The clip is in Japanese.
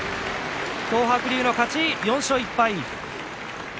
東白龍の勝ち、４勝１敗です。